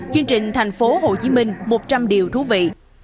chương trình tp hcm một trăm linh điều thú vị